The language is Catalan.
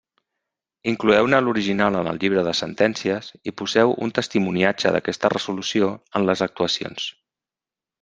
Incloeu-ne l'original en el llibre de sentències i poseu un testimoniatge d'aquesta resolució en les actuacions.